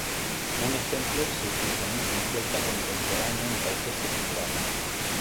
Un ejemplo es el cristianismo celta contemporáneo en países como Irlanda.